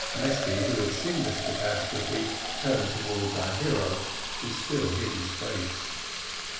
Mesty, who had seen this catastrophe, turned towards our hero, who still hid his face.